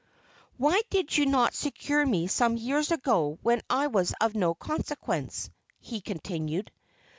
"Why did you not secure me some years ago when I was of no consequence?" he continued.